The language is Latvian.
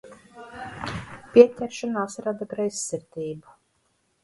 Pieķeršanās rada greizsirdību.